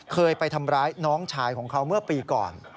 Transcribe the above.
เคยไปทำร้ายน้องชายของเขาเมื่อปีก่อน